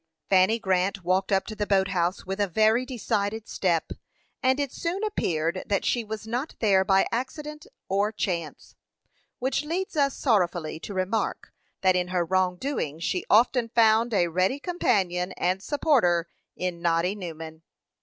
Fanny Grant walked up to the boat house with a very decided step, and it soon appeared that she was not there by chance or accident; which leads us sorrowfully to remark, that in her wrongdoing she often found a ready companion and supporter in Noddy Newman.